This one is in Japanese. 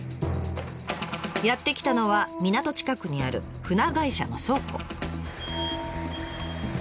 やって来たのは港近くにある船会社の倉庫。